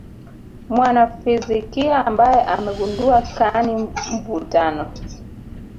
mwanafizikia ambaye amegundua kani mvutano